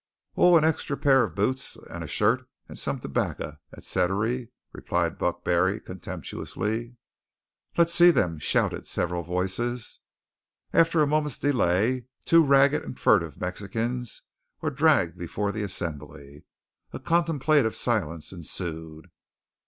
"Oh, an extry pair of boots, and a shirt, and some tobacco, et cetery," replied Buck Barry contemptuously. "Let's see them," shouted several voices. After a moment's delay two ragged and furtive Mexicans were dragged before the assembly. A contemplative silence ensued.